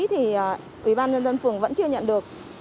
thì ủy ban nhân dân phường vẫn chưa nhận được